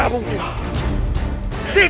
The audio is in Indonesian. jangan letakkan ak sciences ada